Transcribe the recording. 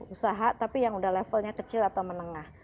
usaha tapi yang udah levelnya kecil atau menengah